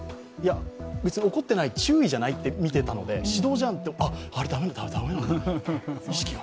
別に怒ってない、注意じゃない？って見てたので指導じゃんって、あれ駄目なんだと、意識が。